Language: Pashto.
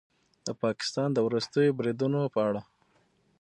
د پاکستان د وروستیو بریدونو په اړه